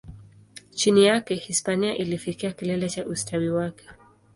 Chini yake, Hispania ilifikia kilele cha ustawi wake.